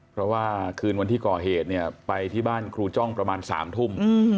เพราะว่าคืนวันที่ก่อเหตุเนี่ยไปที่บ้านครูจ้องประมาณ๓ทุ่ม